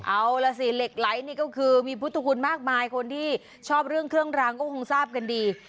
เอาล่ะสิเหล็กไหลนี่ก็คือมีพุทธคุณมากมายคนที่ชอบเรื่องเครื่องรางก็คงทราบกันดี